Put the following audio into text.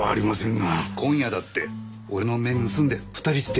今夜だって俺の目盗んで２人して。